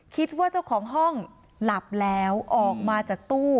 คิดว่าเจ้าของห้องหลับแล้วออกมาจากตู้